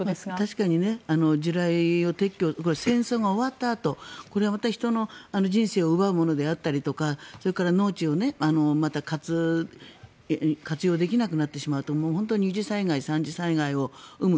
確かに地雷を撤去戦争が終わったあとこれは人の人生を奪うものであったりそれから農地を活用できなくなってしまうと本当に二次災害、三次災害を生む。